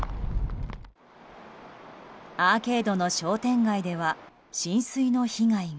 アーケードの商店街では浸水の被害が。